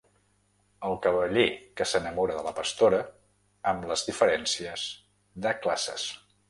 El cavaller que s’enamora de la pastora, amb les diferències de classes.